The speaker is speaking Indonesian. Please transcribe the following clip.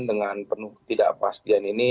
dengan penuh ketidakpastian ini